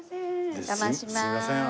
お邪魔します。